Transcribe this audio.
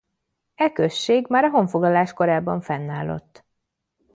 E község már a honfoglalás korában fennállott.